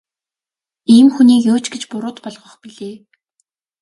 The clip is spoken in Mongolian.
Ийм хүнийг юу ч гэж буруут болгох билээ.